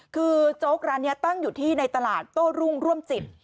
คือโจ๊กร้านนี้ตั้งอยู่ที่ในตลาดโต้รุ่งร่วมจิต